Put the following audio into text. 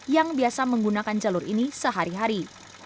yang biasa menggunakan jalur ini sehari hari